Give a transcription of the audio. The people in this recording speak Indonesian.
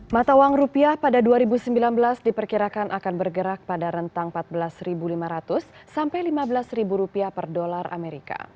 mata uang rupiah pada dua ribu sembilan belas diperkirakan akan bergerak pada rentang empat belas lima ratus sampai lima belas rupiah per dolar amerika